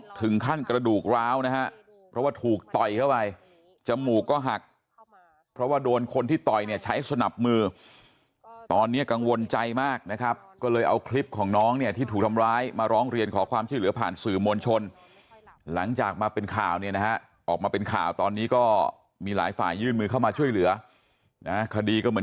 ถึงขั้นกระดูกร้าวนะฮะเพราะว่าถูกต่อยเข้าไปจมูกก็หักเพราะว่าโดนคนที่ต่อยเนี่ยใช้สนับมือตอนนี้กังวลใจมากนะครับก็เลยเอาคลิปของน้องเนี่ยที่ถูกทำร้ายมาร้องเรียนขอความช่วยเหลือผ่านสื่อมวลชนหลังจากมาเป็นข่าวเนี่ยนะฮะออกมาเป็นข่าวตอนนี้ก็มีหลายฝ่ายยื่นมือเข้ามาช่วยเหลือนะคดีก็เหมือน